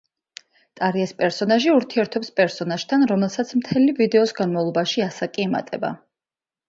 ტარიას პერსონაჟი ურთიერთობს პერსონაჟთან, რომელსაც მთელი ვიდეოს განმავლობაში ასაკი ემატება.